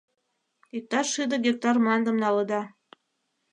Иктаж шӱдӧ гектар мландым налыда.